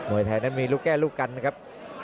มวยแทนมีลูกแก้ลูกกันครับ